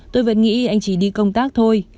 tôi vẫn nghĩ anh chỉ đi công tác thôi